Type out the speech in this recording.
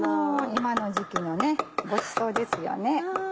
今の時季のごちそうですよね。